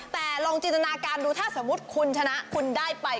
แต่ลองจินตนาการดูถ้าสมมุติคุณชนะคุณได้ไป